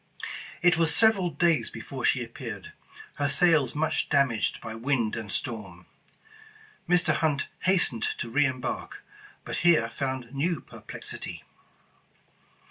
It was sev eral days before she appeared, her sails much damaged by wind and storm. Mr. Hunt hastened to re embark, but here found new perplexity.